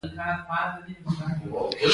د ویښتو د وچوالي لپاره د زیتون تېل وکاروئ